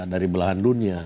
dari belahan dunia